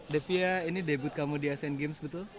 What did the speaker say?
devia ini debut kamu di asian games betul